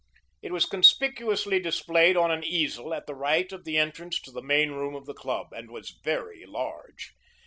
It was conspicuously displayed on an easel at the right of the entrance to the main room of the club, and was very large.